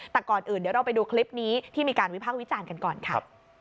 แต่ก่อนอื่นเดี๋ยวเราไปดูคลิปนี้ที่มีการวิพากษ์วิจารณ์กันก่อนค่ะ